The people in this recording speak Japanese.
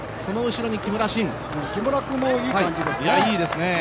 木村君もいい感じですね。